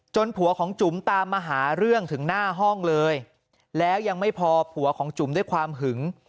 ผัวของจุ๋มตามมาหาเรื่องถึงหน้าห้องเลยแล้วยังไม่พอผัวของจุ๋มด้วยความหึง